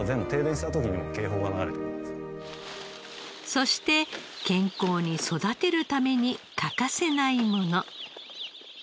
そして健康に育てるために欠かせないもの。